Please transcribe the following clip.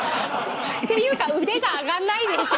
っていうか腕が上がんないでしょ。